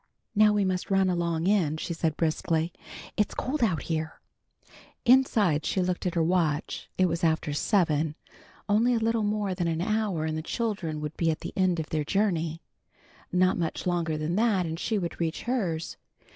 "Now we must run along in," she said briskly. "It's cold out here." Inside, she looked at her watch. It was after seven. Only a little more than an hour, and the children would be at the end of their journey. Not much longer than that and she would reach hers.